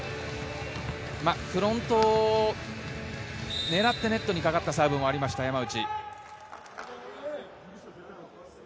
フロントを狙ってネットにかかったサーブもありました山内。